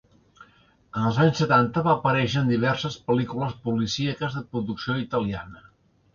En els anys setanta va aparèixer en diverses pel·lícules policíaques de producció italiana.